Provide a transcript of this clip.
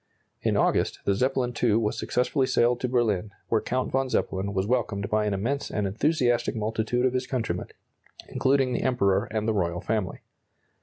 In August, the Zeppelin II was successfully sailed to Berlin, where Count von Zeppelin was welcomed by an immense and enthusiastic multitude of his countrymen, including the Emperor and the royal family.